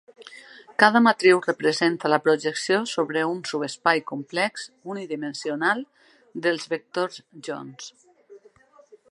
Cada matriu representa la projecció sobre un subespai complex unidimensional dels vectors Jones.